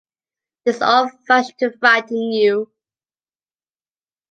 That is all fudge to frighten you.